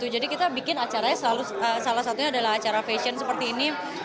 jadi kita bikin acaranya salah satunya adalah acara fashion seperti ini